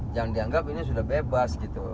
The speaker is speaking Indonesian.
jangan dianggap ini sudah bebas gitu